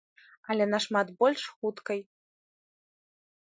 Але нашмат больш хуткай.